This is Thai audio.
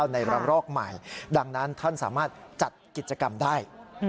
ในระรอกใหม่ดังนั้นท่านสามารถจัดกิจกรรมได้